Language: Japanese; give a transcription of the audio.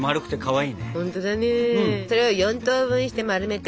それを４等分して丸めて。